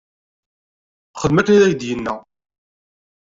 Xdem akken i ak-d-yenna.